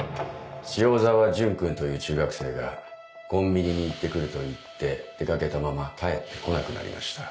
塩澤潤君という中学生がコンビニに行って来ると言って出掛けたまま帰って来なくなりました。